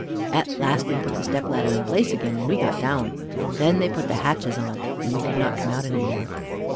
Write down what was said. At last they put the step ladder in its place again, and we got down. Then they put the hatches on, and we could not come out any more."